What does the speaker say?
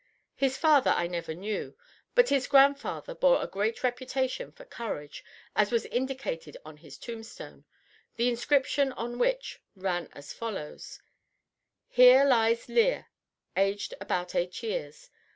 His father I never knew, but his grandfather bore a great reputation for courage, as was indicated on his tombstone, the inscription on which ran as follows: Here lies LEAR. Aged about 8 years.